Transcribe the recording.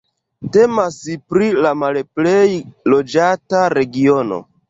Temas pri la malplej loĝata regiono.